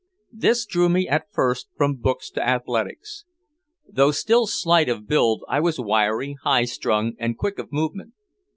This drew me at first from books to athletics. Though still slight of build I was wiry, high strung and quick of movement.